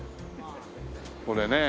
これね。